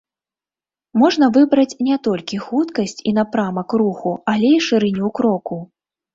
Можна выбраць не толькі хуткасць і напрамак руху, але і шырыню кроку.